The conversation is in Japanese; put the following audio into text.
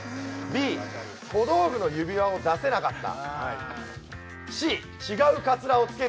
皆さんＢの「小道具の指輪を出せなかった」